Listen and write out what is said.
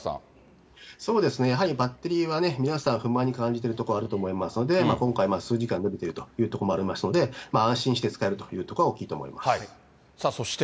そうですね、やはりバッテリーは、皆さん、不満に感じてるところあると思いますので、今回数時間延びているということもありますので、安心して使えるというところが、大きそして。